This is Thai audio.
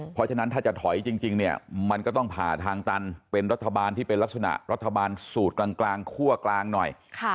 เพราะฉะนั้นถ้าจะถอยจริงเนี่ยมันก็ต้องผ่าทางตันเป็นรัฐบาลที่เป็นลักษณะรัฐบาลสูตรกลางคั่วกลางหน่อย